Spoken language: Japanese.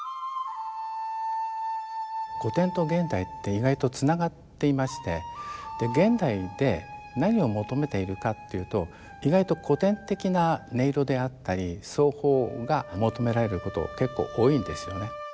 古典と現代って意外とつながっていまして現代で何を求めているかっていうと意外と古典的な音色であったり奏法が求められること結構多いんですよね。